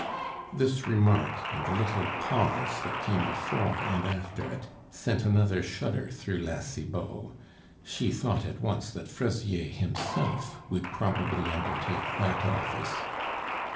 This remark, and the little pause that came before and after it, sent another shudder through La Cibot. She thought at once that Fraisier himself would probably undertake that office.